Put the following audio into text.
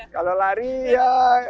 kalau lari ya